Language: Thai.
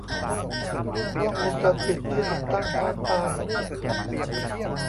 กล้องวงจรปิดที่ติดตั้งภาคใต้